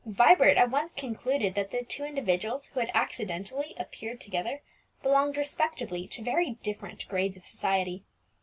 Vibert at once concluded that the two individuals who had accidentally appeared together belonged respectively to very different grades of society.